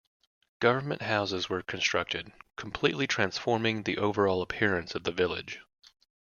Government houses were constructed, completely transforming the overall appearance of the village.